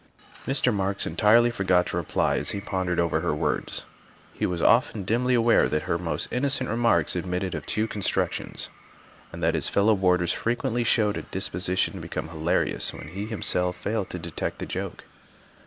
'' Mr. Marks entirely forgot to reply as he pondered over her words; he was often dimly aware that her most innocent remarks admitted of two constructions, and that his fellow boarders frequently showed a dispo sition to become hilarious when he, himself, failed to detect the joke.